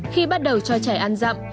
khi bắt đầu cho trẻ ăn rậm